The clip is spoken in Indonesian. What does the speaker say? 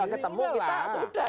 sudah ketemu kita sudah